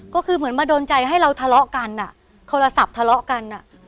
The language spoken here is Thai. ก็คือเหมือนมาโดนใจให้เราทะเลาะกันอ่ะโทรศัพท์ทะเลาะกันอ่ะ